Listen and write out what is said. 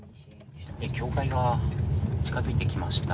境界が近づいてきました。